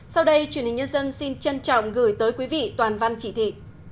sau đây truyền hình nhân dân xin trân trọng gửi tới quý vị toàn văn chỉ thị